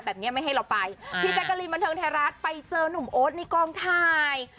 แต่แบบเนี้ยไม่ให้เราไปอ่าพี่แจ๊กกะลีนบันเทิงไทยรัฐไปเจอนุ่มโอ๊ตในกล้องทาย